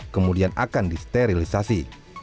kemudian akan disterilisasi